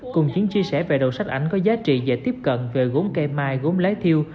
cùng những chia sẻ về đầu sách ảnh có giá trị dễ tiếp cận về gốm cây mai gốm lái thiêu